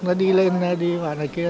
nó đi lên này đi vào này kia